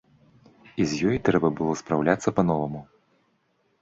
І з ёй трэба было спраўляцца па-новаму.